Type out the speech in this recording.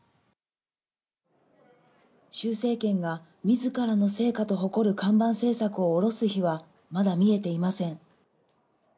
シュウ政権がみずからの成果と誇る看板政策をおろす日はまだ見えていません。